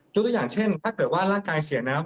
ยกตัวอย่างเช่นถ้าเกิดระบายเชือกเรื่องร่างกาย